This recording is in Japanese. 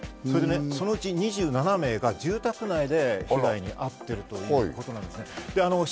そのうち２７名が住宅内で被害に遭っているということなんですね。